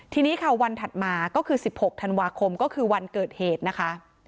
ทีนี้ค่ะวันถัดมาก็คือ๑๖ธันวาคมก็คือวันเกิดเหตุนะคะ